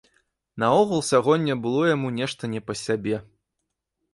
Наогул сягоння было яму нешта не па сябе.